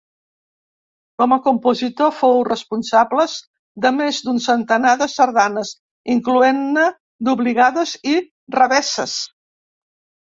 Com a compositor fou responsables de més d'un centenar de sardanes, incloent-ne d'obligades i revesses.